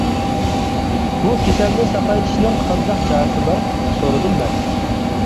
-بۇ كېسەلنى ساقايتىشنىڭ قانداق چارىسى بار؟ -سورىدىم مەن.